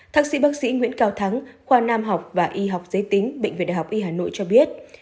thắc sĩ bác sĩ nguyễn cao thắng khoa nam học và y học giới tính bệnh viện đại học y hà nội cho biết